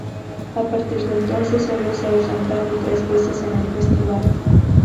A partir de entonces solo se ha ausentado tres veces en el festival.